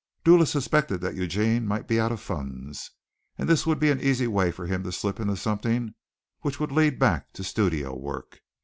Dula suspected that Eugene might be out of funds, and this would be an easy way for him to slip into something which would lead back to studio work.